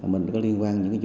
mình có liên quan những dịch vụ